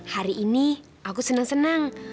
hari ini aku seneng seneng